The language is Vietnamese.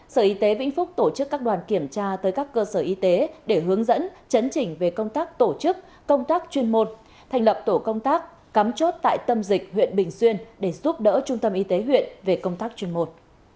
sở y tế vĩnh phúc tổ chức các đoàn kiểm tra tới các cơ sở y tế để hướng dẫn chấn chỉnh về công tác tổ chức công tác chuyên môn thành lập tổ công tác cắm chốt tại tâm dịch huyện bình xuyên để giúp đỡ trung tâm y tế huyện về công tác chuyên môn